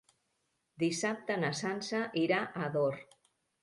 Dissabte na Sança irà a Ador.